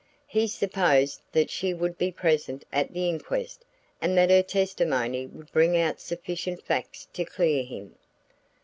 He supposed that she would be present at the inquest and that her testimony would bring out sufficient facts to clear him.